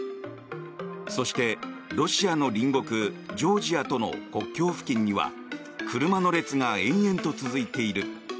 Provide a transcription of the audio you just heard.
そして、ロシアの隣国ジョージアとの国境付近には車の列が延々と続いている。